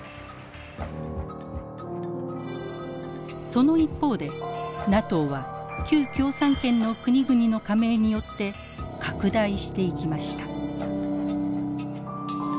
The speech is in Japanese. その一方でＮＡＴＯは旧共産圏の国々の加盟によって拡大していきました。